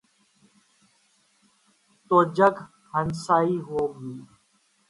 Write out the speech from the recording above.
تو جگ ہنسائی ہو گی۔